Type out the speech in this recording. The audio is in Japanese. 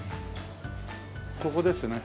ここですね。